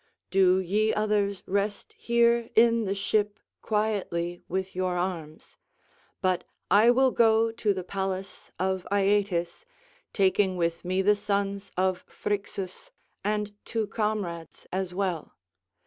Do ye others rest here in the ship quietly with your arms; but I will go to the palace of Aeetes, taking with me the sons of Phrixus and two comrades as well.